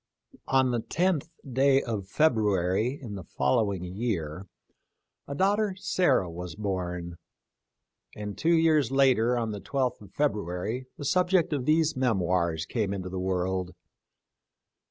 On the loth day of February in the following year a daughter Sarah * was born, and two years later, on the I2th of February, the subject of these mem oirs came into the world.